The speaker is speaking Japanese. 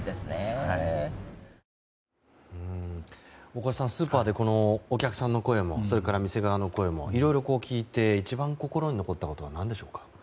大越さんスーパーで、お客さんの声もそれから、店側の声もいろいろ聞いて一番心に残ったことは何でしょうか。